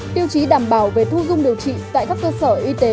tiêu chí đảm bảo về thu dung điều trị tại các cơ sở y tế